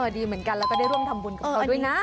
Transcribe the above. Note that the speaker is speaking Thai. ดีเหมือนกันแล้วก็ได้ร่วมทำบุญกับเขาด้วยนะ